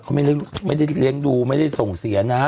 เขาไม่ได้เลี้ยงดูไม่ได้ส่งเสียนะ